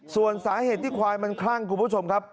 ส่วนสาเหตุที่ควายมันคลั่งคุณผู้ชมครับ